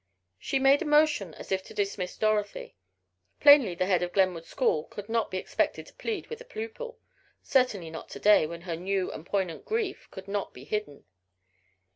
She made a motion as if to dismiss Dorothy. Plainly the head of Glenwood School could not be expected to plead with a pupil certainly not to day, when her new and poignant grief could not be hidden.